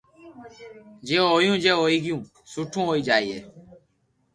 جي ھويو جي ھوئي گيو سٺو ھوئي جائي